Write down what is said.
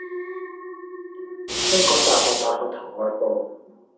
香港大學大學堂外部